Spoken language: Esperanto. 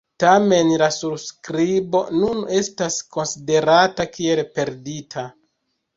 Tamen la surskribo nun estas konsiderata kiel perdita.